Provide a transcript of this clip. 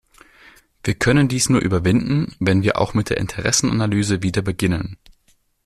Wir können dies nur überwinden, wenn wir auch mit der Interessenanalyse wieder beginnen.